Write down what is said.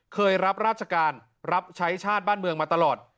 รับราชการรับใช้ชาติบ้านเมืองมาตลอด